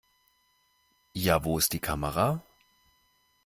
Ja, wo ist die Kamera?